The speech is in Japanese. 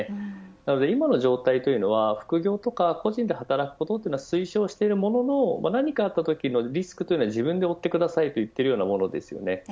今の状態というのは副業とか個人で働くことを推奨しているものの、何かあったときのリスクは自分で負ってくださいと言ってるようなものです。